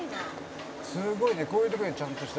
「すごいねこういう時にちゃんとした」